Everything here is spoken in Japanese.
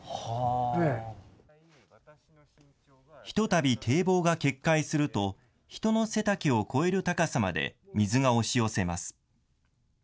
ひとたび堤防が決壊すると人の背丈を超える高さまで水が押し寄せます。